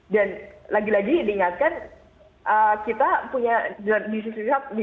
dan lagi lagi diingatkan kita punya